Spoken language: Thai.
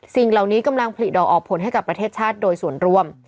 สิ่งเหล่านี้กำลังผลิดอกออกผลให้กับประเทศชาติโดยส่วนร่วม